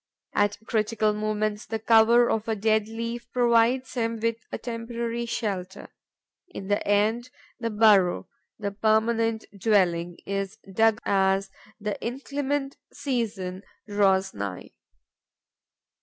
At critical moments, the cover of a dead leaf provides him with a temporary shelter. In the end, the burrow, the permanent dwelling, is dug as the inclement season draws nigh.